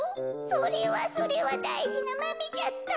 それはそれはだいじなマメじゃった。